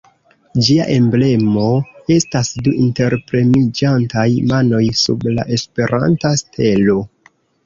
Ĝia emblemo estas du interpremiĝantaj manoj sub la Esperanta stelo.